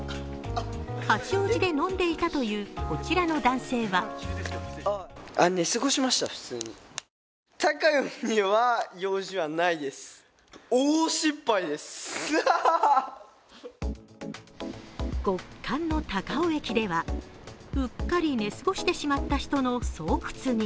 八王子で飲んでいたというこちらの男性は極寒の高尾駅ではうっかり寝過ごしてしまった人の巣窟に。